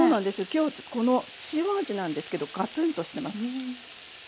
今日はこの塩味なんですけどガツンとしてます。